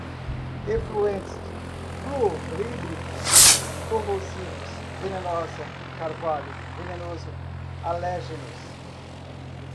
efluentes, fluorídrico, corrosivos, venenosa, carvalho venenoso, alérgenos